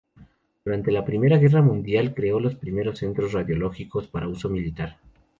Durante la Primera Guerra Mundial creó los primeros centros radiológicos para uso militar.